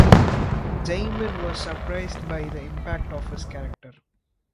Daymond was surprised by the impact of his character.